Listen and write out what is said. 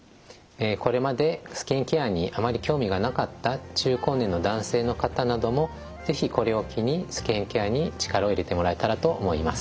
これまでスキンケアにあまり興味がなかった中高年の男性の方なども是非これを機にスキンケアに力を入れてもらえたらと思います。